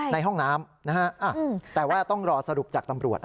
ในห้องน้ำนะฮะแต่ว่าต้องรอสรุปจากตำรวจ